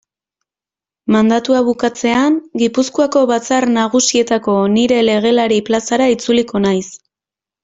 Mandatua bukatzean Gipuzkoako Batzar Nagusietako nire legelari plazara itzuliko naiz.